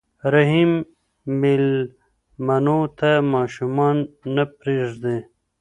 رحیم مېلمنو ته ماشومان نه پرېږدي.